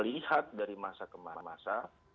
lihat dari masa ke masa